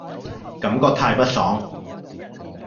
感覺太不爽